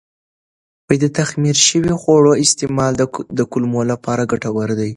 د تخمیر شوي خواړو استعمال د کولمو لپاره ګټور دی.